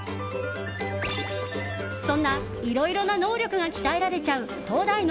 そんないろいろな能力が鍛えられちゃう東大脳！